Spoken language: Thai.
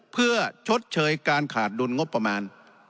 เพื่อชดเชยการขาดดุลงบประมาณ